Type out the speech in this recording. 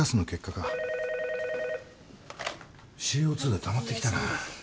ＣＯ２がたまってきたな。